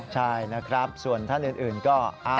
ใช่นะครับส่วนท่านอื่นก็